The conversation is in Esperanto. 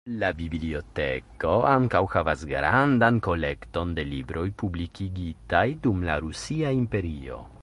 La biblioteko ankaŭ havas grandan kolekton de libroj publikigitaj dum la Rusia Imperio.